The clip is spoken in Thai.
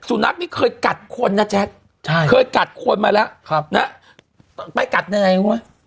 นักนี่เคยกัดคนนะแจ๊คใช่เคยกัดคนมาแล้วไปกัดยังไงวะ